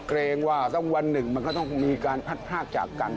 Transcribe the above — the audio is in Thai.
เกรงว่าสักวันหนึ่งมันก็ต้องมีการพัดพลากจากกัน